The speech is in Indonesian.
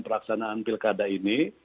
peraksanaan pilkada ini